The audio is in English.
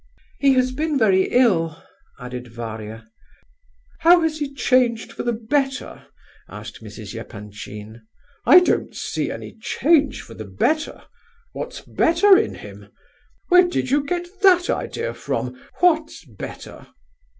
"He has been very ill," added Varia. "How has he changed for the better?" asked Mrs. Epanchin. "I don't see any change for the better! What's better in him? Where did you get that idea from? what's better?"